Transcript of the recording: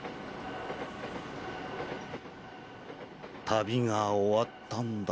旅が終わったんだ。